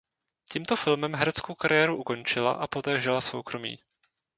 Tímto filmem hereckou kariéru ukončila a poté žila v soukromí.